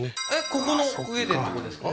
ここの上でってことですか？